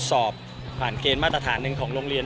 สรอบผ่านเกณฑ์หนึ่งข้างของโรงเรียน